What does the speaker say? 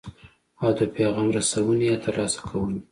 او د پیغام رسونې یا ترلاسه کوونې.